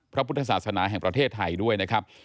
พระพุทธศาสนาแห่งประเทศไทยด้วยนะครับ